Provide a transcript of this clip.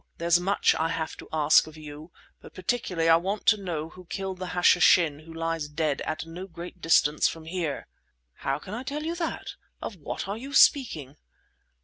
There's much I have to ask of you, but particularly I want to know who killed the Hashishin who lies dead at no great distance from here!" "How can I tell you that? Of what are you speaking?"